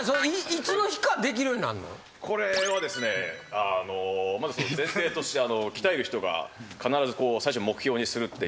いつの日かできるようになんの？これはですねまず前提として鍛える人が必ず最初目標にするっていう。